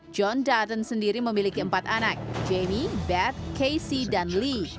john dutton sendiri memiliki empat anak jamie bad case dan lee